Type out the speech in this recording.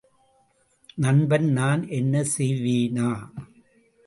நண்பன் நான் என்ன செய்வேனா?